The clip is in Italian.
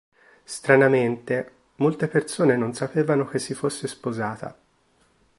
Stranamente, molte persone non sapevano che si fosse sposata.